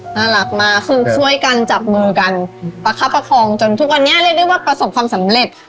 น่ารักมากคือช่วยกันจับมือกันประคับประคองจนทุกวันนี้เรียกได้ว่าประสบความสำเร็จ